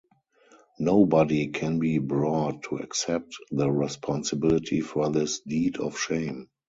Nobody can be brought to accept the responsibility for this deed of shame.